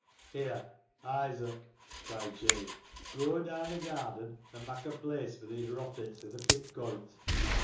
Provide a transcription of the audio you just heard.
" Here, Isaac !" cried Jabe. " Goa daan th' gardin' an' mak' a place for these roppits i' th' pig coite."